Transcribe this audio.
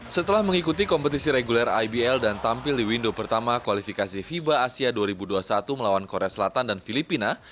setelah mengikuti kompetisi reguler ibl dan tampil di window pertama kualifikasi fiba asia dua ribu dua puluh satu melawan korea selatan dan filipina